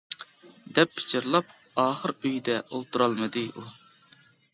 دەپ پىچىرلاپ ئاخىر ئۆيىدە ئولتۇرالمىدى ئۇ.